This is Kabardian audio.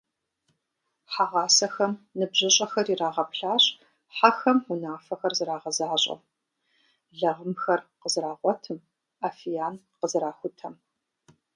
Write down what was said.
Хьэгъасэхэм ныбжьыщӏэхэр ирагъэплъащ хьэхэм унафэхэр зэрагъэзащӏэм, лагъымхэр къызэрагъуэтым, афиян къызэрахутэм.